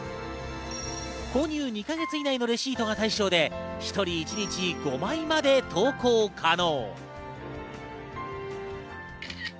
購入２か月以内のレシートが対象で１人一日５枚まで投稿可能。